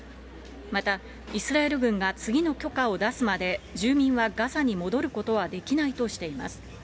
またイスラエル軍が次の許可を出すまで、住民はガザに戻ることはできないとしています。